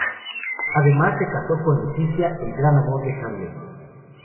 Además, se casó con Leticia, el gran amor de Hamlet.